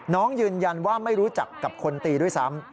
น้องยืนยันว่าไม่รู้จักกับคนตีด้วยซ้ำ